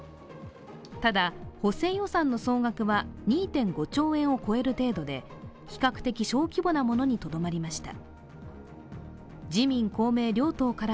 ただ、補正予算の総額は２．５兆円を超える程度で、比較的小規模なものにとどまりました。